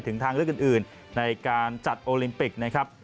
ทางเลือกอื่นในการจัดโอลิมปิกนะครับ